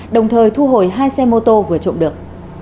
đồng thời thu hồi hai xe mô tô vừa trộm được